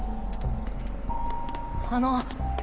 ・あの。